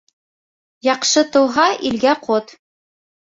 Яҡшы тыуһа, илгә ҡот